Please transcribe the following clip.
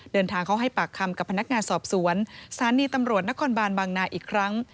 เดินทางเข้าให้ปากคำกับพนักงานสอบสวนสถานีตำรวจนครบานบางนาอีกครั้ง